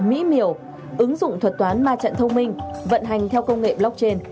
mỹ miều ứng dụng thuật toán ma trận thông minh vận hành theo công nghệ blockchain